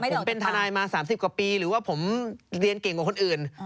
ผมเป็นทนายมา๓๐กว่าปีหรือว่าผมเรียนเก่งกว่าคนอื่น